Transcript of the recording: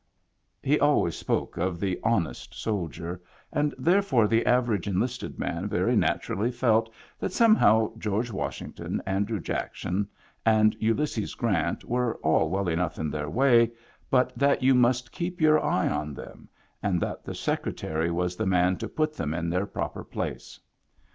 " He always spoke of the " honest " soldier, and therefore the average enlisted man very naturally felt that somehow George Washington, Andrew Jackson and Ulysses Grant were all well enough in their way, but that you must keep your eye on them, and that the Secretary was the man to put them in their proper place.